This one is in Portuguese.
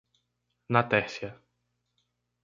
Natércia